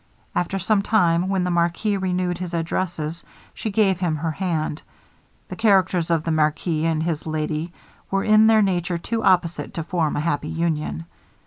After some time, when the marquis renewed his addresses, she gave him her hand. The characters of the marquis and his lady were in their nature too opposite to form a happy union.